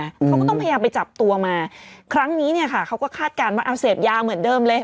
เขาก็ต้องพยายามไปจับตัวมาครั้งนี้เนี่ยค่ะเขาก็คาดการณ์ว่าเอาเสพยาเหมือนเดิมเลย